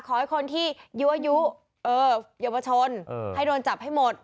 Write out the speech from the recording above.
ขอให้คนที่ยั่วยุเยาวชนให้โดนจับให้หมด